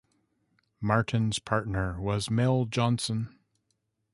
Martin's partner was Mel Johnson.